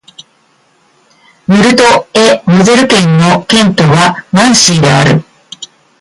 ムルト＝エ＝モゼル県の県都はナンシーである